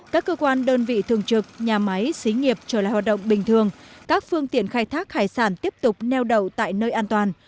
các cơ quan đơn vị thường trực nhà máy xí nghiệp trở lại hoạt động bình thường các phương tiện khai thác hải sản tiếp tục neo đậu tại nơi an toàn